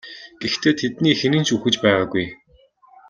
Гэхдээ тэдний хэн нь ч үхэж байгаагүй.